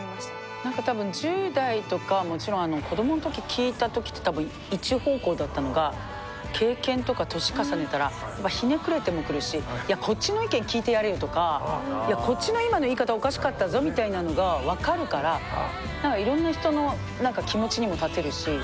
なんか多分１０代とかもちろん子供のとき聞いたときって一方向だったのが経験とか年重ねたらひねくれてもくるし「いやこっちの意見聞いてやれよ」とか「いやこっちの今の言い方おかしかったぞ」みたいなのが分かるからなんかいろんな人の気持ちにも立てるし。